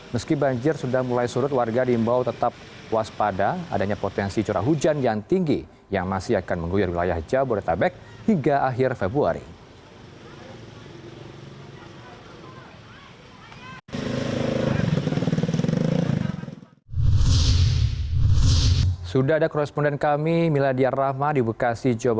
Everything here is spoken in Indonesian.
meski banjir sudah mulai surut warga diimbau tetap puas pada adanya potensi curah hujan yang tinggi yang masih akan mengguyur wilayah jabodetabek hingga akhir februari